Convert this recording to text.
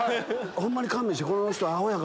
ホンマに勘弁してこの人アホや。